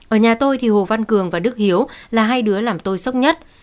ở nhà tôi thì hồ văn cường và đức hiếu là hai đứa làm tôi sốc nhất